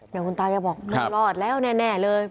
เดี๋ยวคุณตายะบอกไม่รอดแล้วแน่เลย